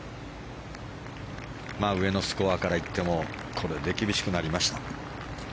上のスコアからいってもこれで厳しくなりました。